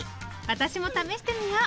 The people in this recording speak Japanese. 私も試してみよう！